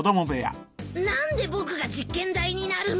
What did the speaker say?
何で僕が実験台になるのさ。